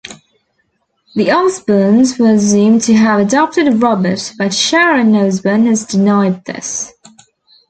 The Osbournes were assumed to have adopted Robert, but Sharon Osbourne has denied this.